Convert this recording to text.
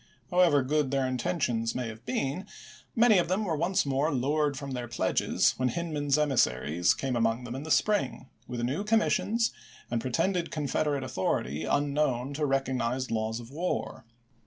However good their intentions may have been, many of them were once more lured from their pledges when Hindman's emissaries came among them in the spring, with new commissions, and pretended Confederate authority unknown to rec ognized laws of war.